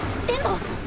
でも。